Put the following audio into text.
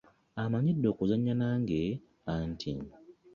Amanyidde okuzannya nange anti.